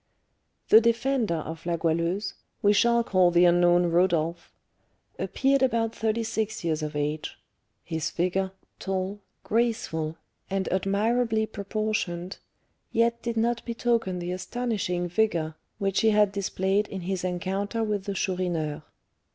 The defender of La Goualeuse (we shall call the unknown Rodolph) appeared about thirty six years of age; his figure, tall, graceful, and admirably proportioned, yet did not betoken the astonishing vigour which he had displayed in his rencounter with the Chourineur.